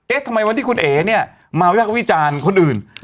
ทำไมวันที่คุณเอ๋เนี่ยมาวิภาควิจารณ์คนอื่น